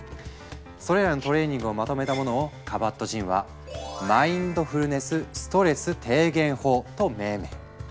それらのトレーニングをまとめたものをカバットジンは「マインドフルネスストレス低減法」と命名。